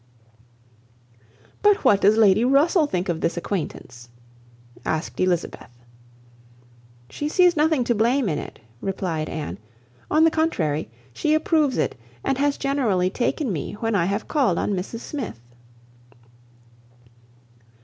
"But what does Lady Russell think of this acquaintance?" asked Elizabeth. "She sees nothing to blame in it," replied Anne; "on the contrary, she approves it, and has generally taken me when I have called on Mrs Smith."